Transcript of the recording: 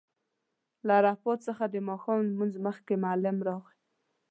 له عرفات څخه د ماښام لمونځ مخکې معلم راغی.